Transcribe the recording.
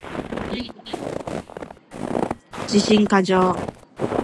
自信過剰